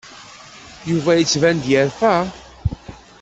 Yuba yettban-d yerfa.